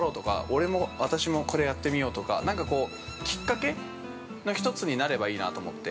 俺も、私も、これやってみようとかなんかきっかけの１つになればいいなと思って。